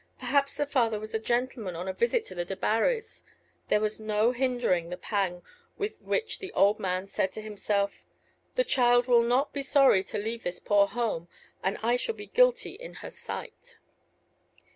Perhaps the father was a gentleman on a visit to the Debarrys. There was no hindering the pang with which the old man said to himself "The child will not be sorry to leave this poor home, and I shall be guilty in her sight."